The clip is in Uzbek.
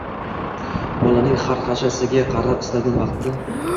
• Bolaning xarxashasiga qarab istalgan vaqtda